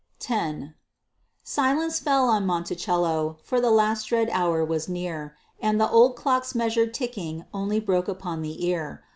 X Silence fell on Monticello for the last dread hour was near, And the old clock's measured ticking only broke upon the ear.